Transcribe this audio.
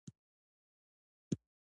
مدیر پرېکړه وکړه.